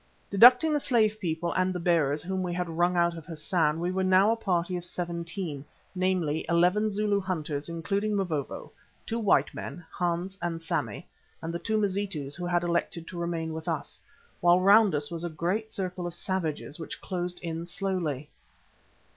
Deducting the slave people and the bearers whom we had wrung out of Hassan, we were now a party of seventeen, namely eleven Zulu hunters including Mavovo, two white men, Hans and Sammy, and the two Mazitus who had elected to remain with us, while round us was a great circle of savages which closed in slowly.